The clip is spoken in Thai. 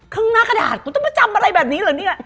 ข้างหน้ากระดาษกูต้องมาจำอะไรแบบนี้เหรอเนี่ย